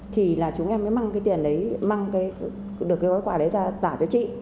thì là chúng em mới mang cái tiền đấy mang được cái gói quà đấy ra giả cho chị